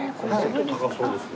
高そうですね。